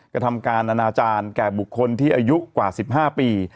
กระทำการอนาจารย์แก่บุคคลที่อายุกว่า๑๕ปี